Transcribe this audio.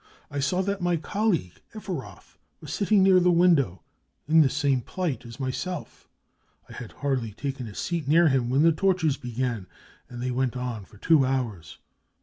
I saw that my colleague, Efferoth, was sitting near the window, in the same plight as myself. I had hardly taken a seat near him when the tortures began, and they went on for two hours.